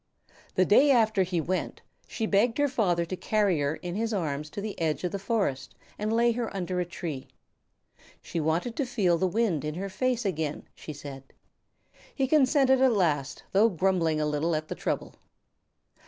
The day after he went, she begged her father to carry her in his arms to the edge of the forest and lay her under a tree. She wanted to feel the wind in her face again, she said. He consented at last, though grumbling a little at the trouble.